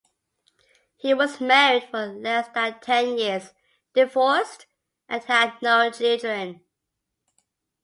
He was married for less than ten years, divorced and had no children.